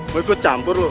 mau ikut campur lo